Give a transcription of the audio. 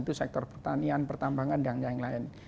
itu sektor pertanian pertambangan dan yang lain